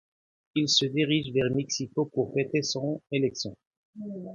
Il se dirige vers Mexico pour fêter son élection.